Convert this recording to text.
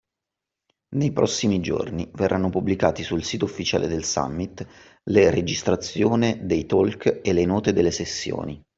Nei prossimi giorni verranno pubblicati sul sito ufficiale del summit le registrazione dei talk e le note delle sessioni